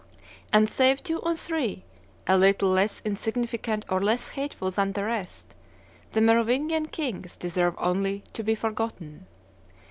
And save two or three, a little less insignificant or less hateful than the rest, the Merovingian kings deserve only to be forgotten.